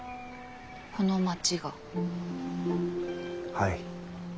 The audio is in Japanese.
はい。